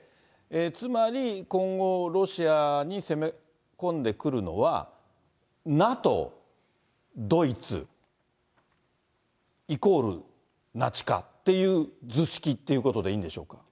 つまり今後、ロシアに攻め込んでくるのは、ＮＡＴＯ、ドイツ、イコールナチ化っていう図式っていうことでいいんですか。